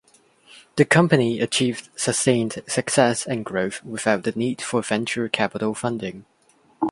The company achieved sustained success and growth without the need for venture capital funding.